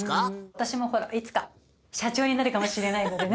私もいつか社長になるかもしれないのでね